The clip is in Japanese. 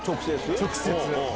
直接。